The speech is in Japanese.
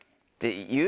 言う？